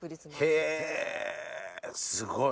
へぇすごい。